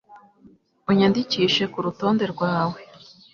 unyandikishe kurutonde rwawe